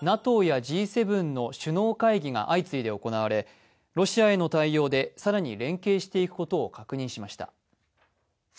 ＮＡＴＯやＧ７の首脳会議が相次いで行われ、ロシアへの対応で更に連携していくことを確認しました。